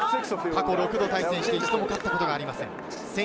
過去６度対戦して一度も勝ったことはありません。